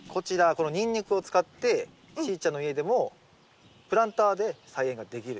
このニンニクを使ってしーちゃんの家でもプランターで菜園ができると。